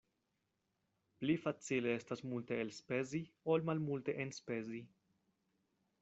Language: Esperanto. Pli facile estas multe elspezi, ol malmulte enspezi.